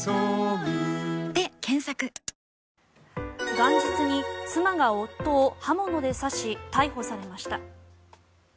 元日に妻が夫を刃物で刺し逮捕されました。